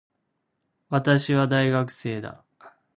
私は、大学生だ。